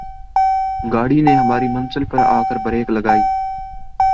گاڑی نے ہماری منزل پر آ کر بریک لگائی